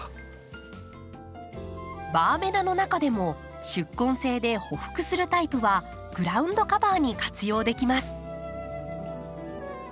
バーベナの中でも宿根性でほふくするタイプはグラウンドカバーに活用できます。